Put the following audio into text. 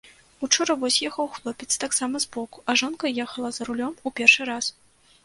Учора вось ехаў хлопец таксама збоку, а жонка ехала за рулём у першы раз.